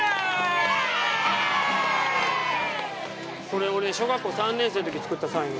これ俺、小学校３年生の時に作ったサイン。